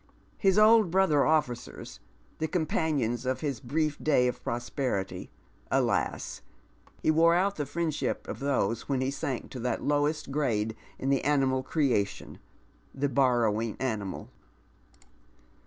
His old brother cfEcers — the companions of his brief day of prosperity, — alas I he wore out the fiiendship of those when he sank to tuat lowest grade in the animal creation — the borrowing animal.